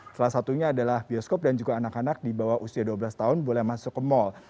salah satunya adalah bioskop dan juga anak anak di bawah usia dua belas tahun boleh masuk ke mal